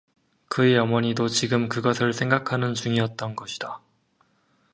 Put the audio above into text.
그의 어머니도 지금 그것을 생각하는 중이었던 것이다.